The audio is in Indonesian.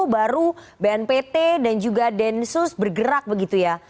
baru bnpt dan juga densus bergerak begitu ya